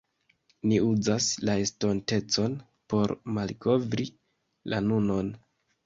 ni uzas la estontecon por malkovri la nunon.